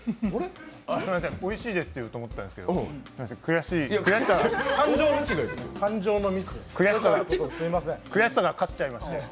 すいません、おいしいですと言おうと思ったんですけど悔しい感情のミス、悔しさが勝っちゃいまして。